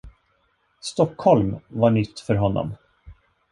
Stockholm var nytt för honom.